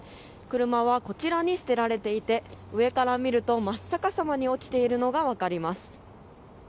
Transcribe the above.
車はこちらに捨てられていて上から見ると真っ逆さまに落ちているのが分かります。